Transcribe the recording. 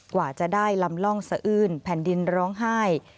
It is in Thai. กว่าจะได้ลำล่องสะอื้นแผ่นดินร้องไห้